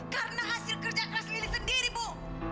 karena hasil kerja keras lilis sendiri bu